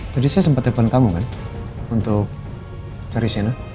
jadi saya sempat telfon kamu kan untuk cari sienna